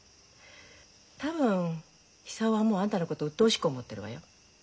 多分久男はもうあんたのことうっとうしく思ってるわよ。